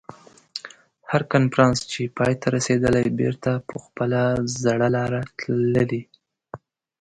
هر کنفرانس چې پای ته رسېدلی بېرته په خپله زړه لاره تللي.